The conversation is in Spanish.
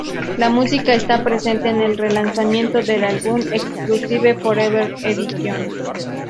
La música está presente en el relanzamiento del álbum, "Exclusive: Forever Edition".